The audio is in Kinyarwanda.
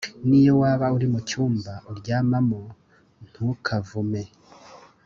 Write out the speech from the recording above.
niyo waba uri mu cyumba uryamamo ntukavume.